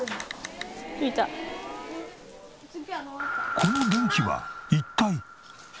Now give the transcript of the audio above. この電気は一体？